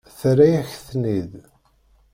Terra-yak-ten-id.